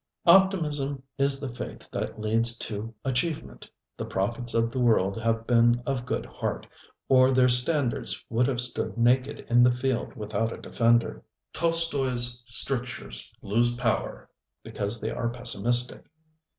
Optimism is the faith that leads to achievement. The prophets of the world have been of good heart, or their standards would have stood naked in the field without a defender. TolstoiŌĆÖs strictures lose power because they are pessimistic.